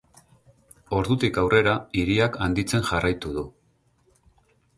Ordutik aurrera hiriak handitzen jarraitu du.